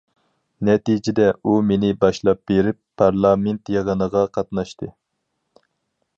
نەتىجىدە ئۇ مېنى باشلاپ بېرىپ، پارلامېنت يىغىنىغا قاتناشتى.